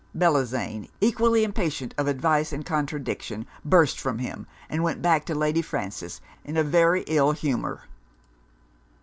Bellozane, equally impatient of advice and contradiction, burst from him; and went back to Lady Frances in a very ill humour.